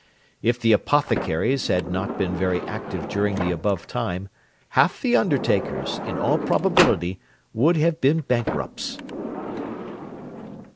If the apothecaries had not been very active during the above time, half the undertakers in all probability would have been bankrupts.